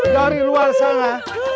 dari luar sana